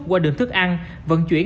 qua đường thức ăn vận chuyển